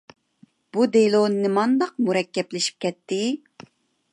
بۇ دېلو نېمانداق مۇرەككەپلىشىپ كەتتى!